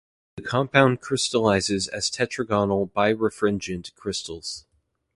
The compound crystallizes as tetragonal birefringent crystals.